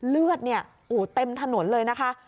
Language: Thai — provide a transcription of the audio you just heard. เลือดเต็มถนนเลยนะคะ